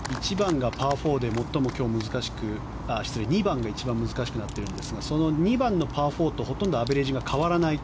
２番が一番難しくなっているんですがその２番のパー４とほとんどアベレージが変わらない